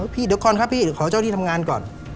พี่เดี๋ยวก่อนครับพี่เดี๋ยวขอเจ้าที่ทำงานก่อน